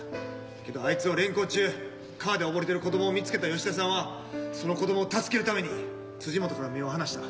けどあいつを連行中川で溺れてる子どもを見つけた吉田さんはその子どもを助けるために辻本から目を離した。